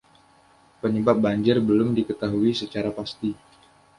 Penyebab banjir belum diketahui secara pasti.